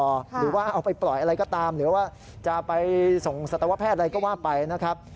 หรือว่าเอาไปปล่อยอะไรก็ตามหรือว่าจะไปส่งสัตวแพทย์อะไรก็ว่าไปนะครับ